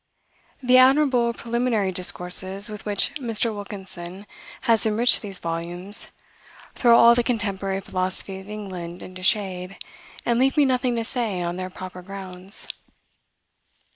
The admirable preliminary discourses with which Mr. Wilkinson has enriched these volumes, throw all the contemporary philosophy of England into shade, and leave me nothing to say on their proper grounds.